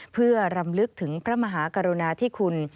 เพื่อรำลึกถึงพระมหากรุณาธิคุณ